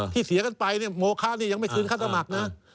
ที่เสียกันไปโมค่านี่ยังไม่คืนค่าสมัครนะ